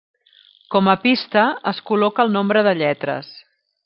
Com a pista es col·loca el nombre de lletres.